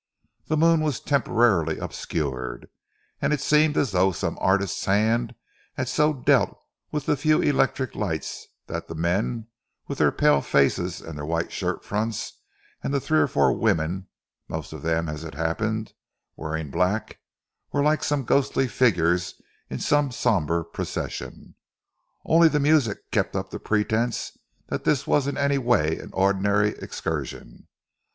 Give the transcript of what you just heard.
The moon was temporarily obscured, and it seemed as though some artist's hand had so dealt with the few electric lights that the men, with their pale faces and white shirt fronts, and the three or four women, most of them, as it happened, wearing black, were like some ghostly figures in some sombre procession. Only the music kept up the pretence that this was in any way an ordinary excursion.